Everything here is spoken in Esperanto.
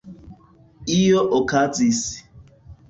Io okazis.